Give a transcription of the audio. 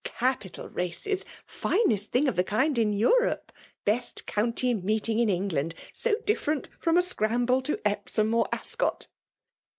Capital raees ! finest thing of the kind in Europe, — ^beat qovntyt meeting in England: so different from a scramble to Epsom or Ascot